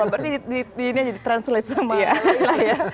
berarti ini aja di translate sama laila ya